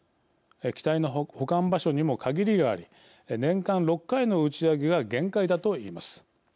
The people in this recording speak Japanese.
機体の保管場所にも限りがあり年間６回の打ち上げが限界だと言います。